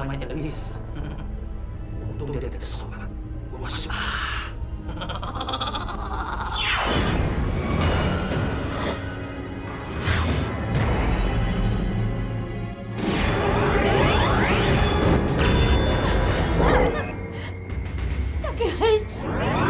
menggelepar gelepar menahan sakitnya